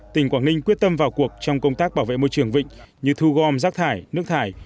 tỉnh quảng ninh quyết tâm vào cuộc trong công tác bảo vệ môi trường vịnh như thu gom rác thải nước thải